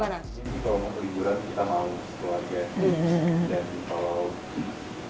bapak bapak pasti kita semua support